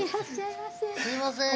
すみません。